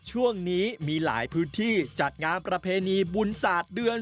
ช่วงนี้มีหลายพื้นที่จัดงานประเพณีบุญศาสตร์เดือน